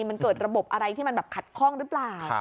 มันเกิดระบบอะไรที่มันแบบขัดข้องหรือเปล่า